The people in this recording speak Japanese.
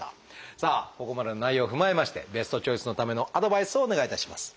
さあここまでの内容を踏まえましてベストチョイスのためのアドバイスをお願いいたします。